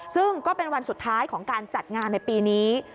ซึ่งก็เป็นวันสุดท้ายของการจัดงานในปีนี้